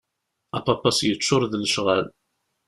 Apapas yeččur d lecɣal.